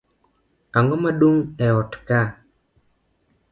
Ang'oma dung' e ot kaa?